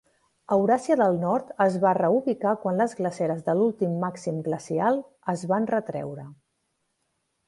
Euràsia del nord es va reubicar quan les glaceres de l'últim màxim glacial es van retreure.